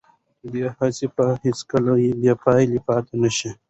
د ده هڅې به هیڅکله بې پایلې پاتې نه شي.